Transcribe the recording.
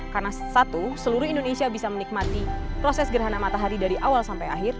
karena satu seluruh indonesia bisa menikmati proses gerhana matahari dari awal sampai akhir